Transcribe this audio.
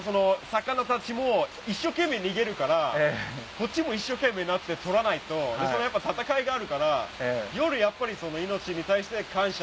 魚たちも一生懸命逃げるからこっちも一生懸命になって捕らないと戦いがあるから。